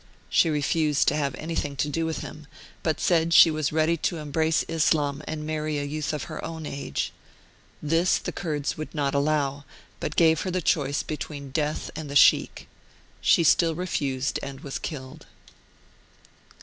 She 'refused to have anything to do with him, but said she was ready to embrace Islam and marry a youth of her own age. This the Kurds would not allow, but gave her the choice between death and the Sheikh ; she still refused, and was killed.